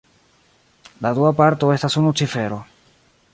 La dua parto estas unu cifero.